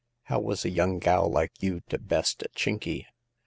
How was a young gal like you to best a Chinky?